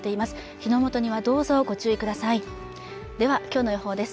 火の元にはどうぞご注意くださいではきょうの予報です